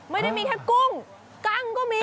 ไม่ได้มีแค่กุ้งกั้งก็มี